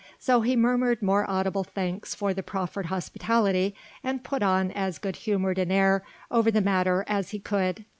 So he murmured more audible thanks for the proffered hospitality, and put on as good humoured an air over the matter as he could.